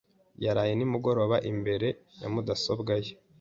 Yaraye nimugoroba imbere ya mudasobwa ye.